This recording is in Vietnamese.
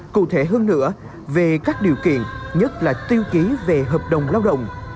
cụ thể hơn nữa về các điều kiện nhất là tiêu chí về hợp đồng lao động